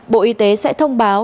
bộ y tế sẽ thông báo